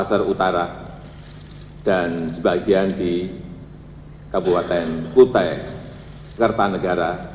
selain memiliki risiko minimal terhadap kota negara